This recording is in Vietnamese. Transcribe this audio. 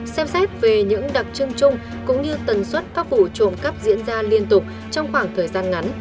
xem xét về những đặc trưng chung cũng như tần suất các vụ trộm cắp diễn ra liên tục trong khoảng thời gian ngắn